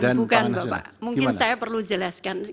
bukan mungkin saya perlu jelaskan